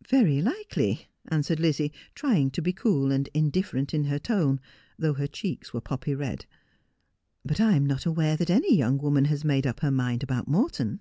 ' Very like ly,' answered Lizzie, trying to be cool and indiffer ent in her tone, though her cheeks were poppy red :' but I am not aware that any young woman has made up her mind about Morton.'